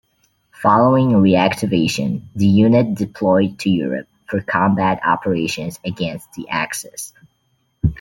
Following reactivation, the unit deployed to Europe for combat operations against the Axis.